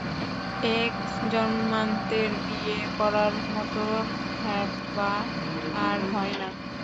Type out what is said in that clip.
এক জন্মান্তরে বিয়ে করার মতো হ্যাপা আর হয় না।